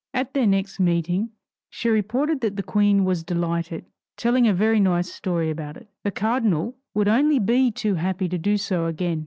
At their next meeting she reported that the Queen was delighted, telling a very nice story about it. The cardinal would only be too happy to do so again.